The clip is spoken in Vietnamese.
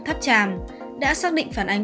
tháp tràm đã xác định phản ánh